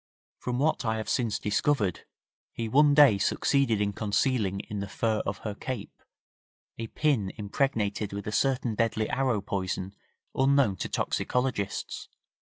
From what I have since discovered he one day succeeded in concealing in the fur of her cape a pin impregnated with a certain deadly arrow poison unknown to toxicologists.